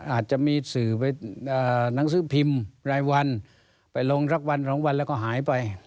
อาจจะมีสื่อหนังสือพิมพ์รายวันลงรักบรรย์๒วันหายไป